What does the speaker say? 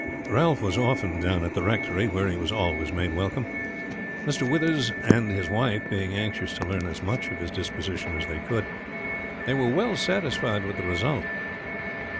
Ralph was often down at the Rectory, where he was always made welcome, Mr. Withers and his wife being anxious to learn as much of his disposition as they could. They were well satisfied with the result.